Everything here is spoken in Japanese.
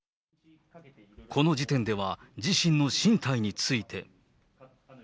この時点では自身の進退について。